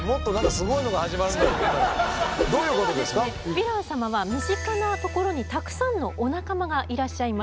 ヴィラン様は身近なところにたくさんのお仲間がいらっしゃいます。